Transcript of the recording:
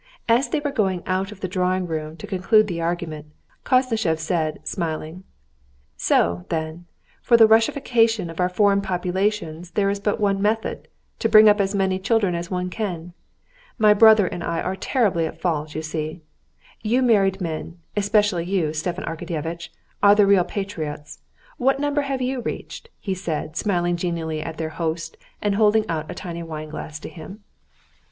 As they were going out of the drawing room to conclude the argument, Koznishev said, smiling: "So, then, for the Russification of our foreign populations there is but one method—to bring up as many children as one can. My brother and I are terribly in fault, I see. You married men, especially you, Stepan Arkadyevitch, are the real patriots: what number have you reached?" he said, smiling genially at their host and holding out a tiny wine glass to him.